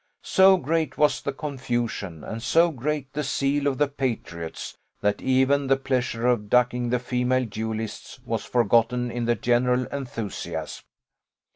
So great was the confusion, and so great the zeal of the patriots, that even the pleasure of ducking the female duellists was forgotten in the general enthusiasm.